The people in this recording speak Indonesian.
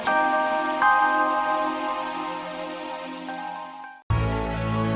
aku harus cacikin kerja yuk